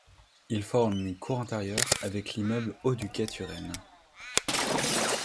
Il forme une cour intérieure avec l'immeuble au du quai Turenne.